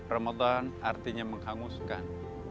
ramadan artinya menghanguskan